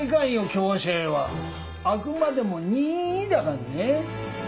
あくまでも任意だからね。